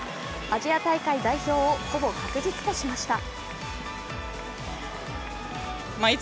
アジア大会代表をほぼ確実としました。